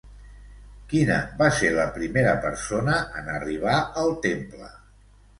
Quina va ser la primera persona en arribar al temple?